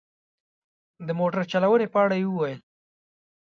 د موټر چلونې په اړه یې وویل.